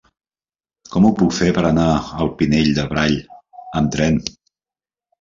Com ho puc fer per anar al Pinell de Brai amb tren?